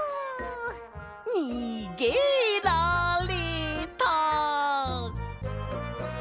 にげられた！